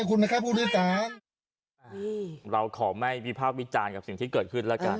คุณนะครับผู้โดยสารเราขอไม่วิภาพวิจารณ์กับสิ่งที่เกิดขึ้นแล้วกัน